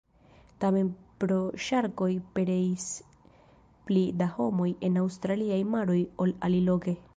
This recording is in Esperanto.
Tamen pro ŝarkoj pereis pli da homoj en aŭstraliaj maroj ol aliloke.